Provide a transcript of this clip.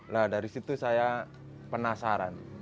nah dari situ saya penasaran